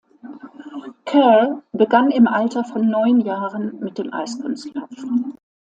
Kerr begann im Alter von neun Jahren mit dem Eiskunstlaufen.